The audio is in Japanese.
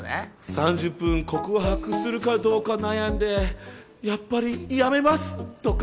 ３０分告白するかどうか悩んでやっぱりやめますとか。